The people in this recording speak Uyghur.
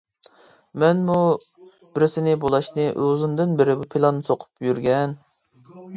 مەنمۇ بىرسىنى بۇلاشنى ئۇزۇندىن بېرى پىلان سوقۇپ يۈرگەن.